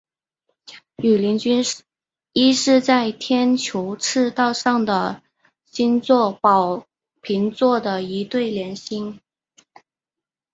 羽林军一是在天球赤道上的星座宝瓶座的一对联星。